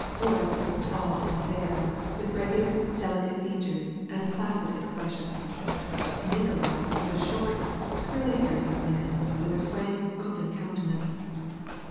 Boris was tall and fair, with regular, delicate features and a placid ex pression. Nikolai was a short, curly haired young man, with a frank, open countenance.